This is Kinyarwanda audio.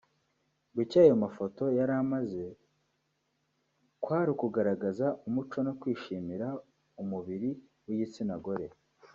ngo icyo ayo mafoto yari amaze kwari ukugaragaza umuco no kwishimira umubiri w’igitsina gore